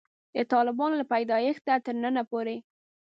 د طالبانو له پیدایښته تر ننه پورې.